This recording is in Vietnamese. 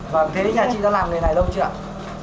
vâng thế nhà chị đã làm nghề này lâu chưa ạ